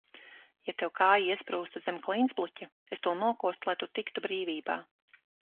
Ja tev kāja iesprūstu zem klintsbluķa, es to nokostu, lai tu tiktu brīvībā.